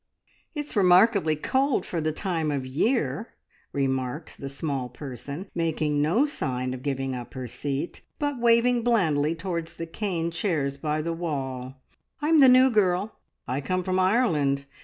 "It's rhemarkably cold for the time of year!" remarked the small person, making no sign of giving up her seat, but waving blandly towards the cane chairs by the wall. "I'm the new girl, I come from Ireland.